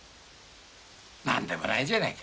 なんでもないんじゃないか。